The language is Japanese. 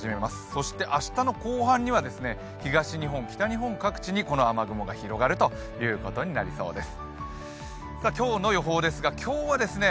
そして明日の後半には東日本・北日本各地にこの雨雲が広がるということになりそうです。